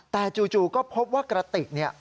แต่จู่ก็พบว่ากระติก